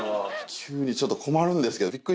急にちょっと困るんですけど。